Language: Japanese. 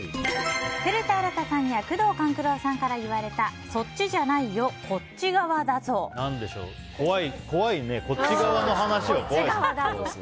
古田新太さんや宮藤官九郎さんから言われたそっちじゃないよ怖いねこっち側の話は怖いですね。